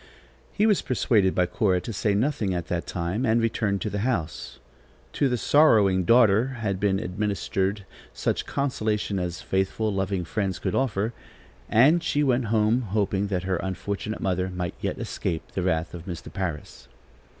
He was persuaded by Cora to say nothing at that time and returned to the house. To the sorrowing daughter had been administered such consolation as faithful, loving friends could offer, and she went home hoping that her unfortunate mother might yet escape the wrath of Mr. Parris.